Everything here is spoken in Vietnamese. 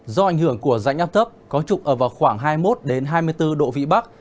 do ảnh hưởng của dãnh áp thấp có trục ở vào khoảng hai mươi một hai mươi bốn độ vị bắc